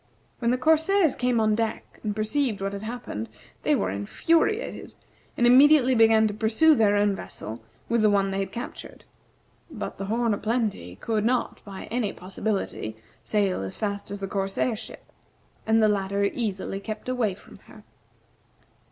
When the corsairs came on deck and perceived what had happened, they were infuriated, and immediately began to pursue their own vessel with the one they had captured. But the "Horn o' Plenty" could not, by any possibility, sail as fast as the corsair ship, and the latter easily kept away from her.